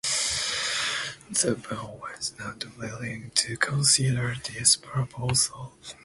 The Ban was not willing to consider this proposal.